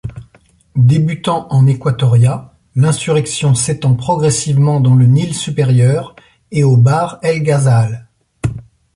Débutant en Équatoria, l'insurrection s'étend progressivement dans le Nil Supérieur et au Bahr el-Ghazal.